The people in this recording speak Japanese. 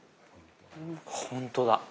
ほんとだ。